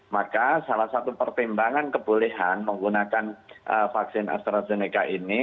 maka salah satu pertimbangan kebolehan menggunakan vaksin astrazeneca ini